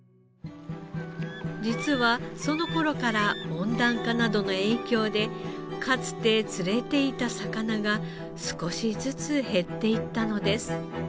実はその頃から温暖化などの影響でかつて釣れていた魚が少しずつ減っていったのです。